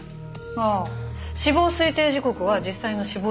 ああ死亡推定時刻は実際の死亡時刻よりも遅くなる。